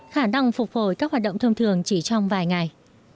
khả năng phục hồi các hoạt động thông thường chỉ trong vài ngày